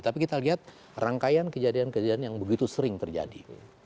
tapi kita lihat rangkaian kejadian kejadian yang begitu sering terjadi